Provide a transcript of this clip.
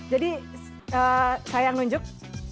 jadi saya yang nunjuk